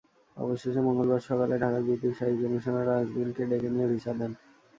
অবশেষে মঙ্গলবার সকালে ঢাকার ব্রিটিশ হাইকমিশনার নাজবিনকে ডেকে নিয়ে ভিসা দেন।